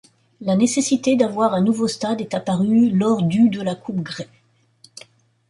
La nécessité d'avoir un nouveau stade est apparu lors du de la Coupe Grey.